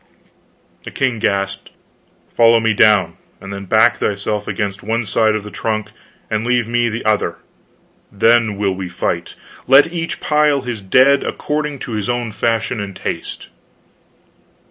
The king gasped: "Follow me down, and then back thyself against one side of the trunk, and leave me the other. Then will we fight. Let each pile his dead according to his own fashion and taste."